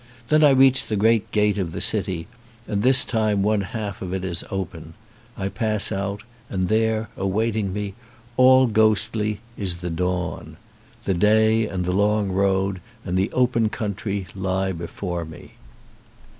Then I reach the great gate of the city, and this time one half of it is open; I pass out, and there, awaiting me, all ghostly, is the dawn. The day and the long road and the open country he before me.